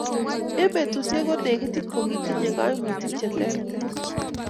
Eng betusiek konekitit kokitinye kaimutik che terter